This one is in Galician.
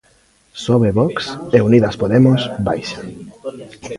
Sobe Vox e Unidas Podemos baixa.